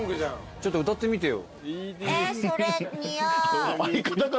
ちょっと歌ってみてよ。